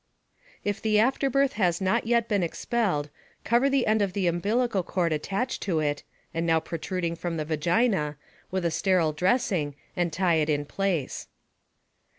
If the afterbirth has not yet been expelled, cover the end of the umbilical cord attached to it (and now protruding from the vagina) with a sterile dressing and tie it in place.